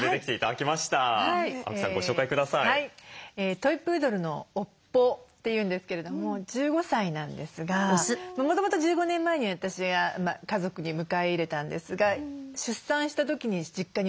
トイ・プードルの「おっぽ」っていうんですけれども１５歳なんですがもともと１５年前に私が家族に迎え入れたんですが出産した時に実家に戻って。